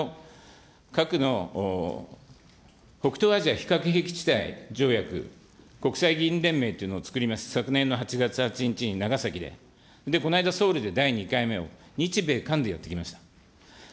核の北東アジア非核条約国際議員連盟っていうのを作りました、昨年の８月８日に長崎で、この間、長崎で日米韓でやってきました。